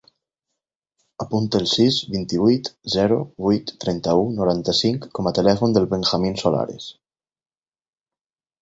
Apunta el sis, vint-i-vuit, zero, vuit, trenta-u, noranta-cinc com a telèfon del Benjamín Solares.